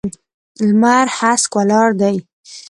لمر هسک ولاړ و.